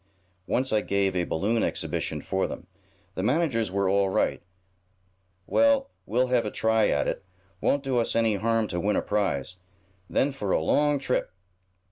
Once I gave a balloon exhibition for them. The managers are all right. Well, we'll have a try at it. Won't do us any harm to win a prize. Then for a long trip!"